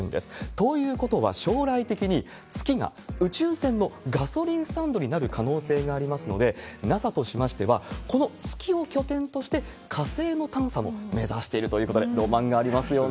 ということは、将来的に月が宇宙船のガソリンスタンドになる可能性がありますので、ＮＡＳＡとしましては、この月を拠点として、火星の探査も目指しているということで、ロマンがありますよね。